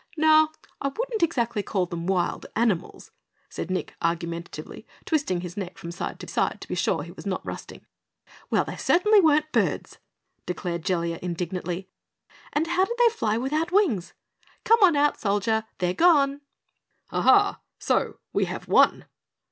"Now, I wouldn't exactly call them wild animals," said Nick argumentatively, twisting his neck from side to side to be sure he was not rusting. "Well, they certainly weren't birds!" declared Jellia indignantly. "And how did they fly without wings? Come on out, Soldier, they're gone." "Ah, so we have won?"